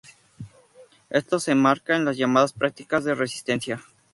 Esto se enmarca en las llamadas prácticas de resistencia.